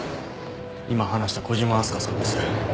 今話した小島明日香さんです。